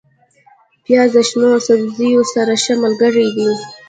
پیاز د شنو سبزیو سره ښه ملګری دی